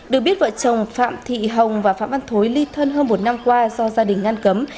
được biết vợ chồng phạm thị hồng và phạm văn thối ly thân hơn một năm qua do gia đình ngăn cấm